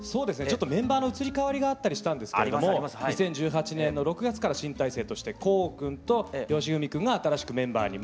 メンバーの移り変わりがあったりしたんですけれども２０１８年の６月から新体制として航くんと義文くんが新しくメンバーに。